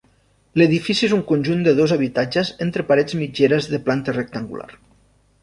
L'edifici és un conjunt de dos habitatges entre parets mitgeres de planta rectangular.